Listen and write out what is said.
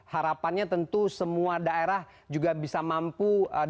harapannya tentu semua daerah juga bisa mampu dan bisa berhasil